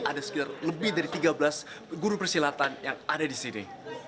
ada sekitar lebih dari tiga belas guru persilatan yang ada di sini